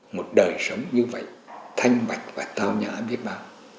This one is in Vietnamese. một đời sống như vậy thanh bạch và tào nhã biết bao